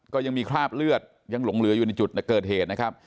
ก็ยังมีคราบเลือดยังหลงเหลืออยู่ในจุดเกิดเหตุนะครับ